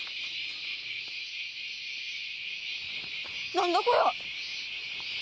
何だこりゃ